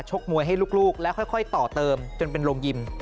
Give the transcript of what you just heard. กมวยให้ลูกแล้วค่อยต่อเติมจนเป็นโรงยิม